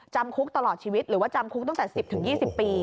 จำคุกตลอดชีวิตหรือว่าจำคุกตั้งแต่๑๐๒๐ปี